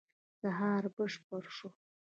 سهار بشپړ شو.